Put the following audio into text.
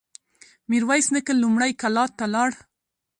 ميرويس نيکه لومړی کلات ته لاړ.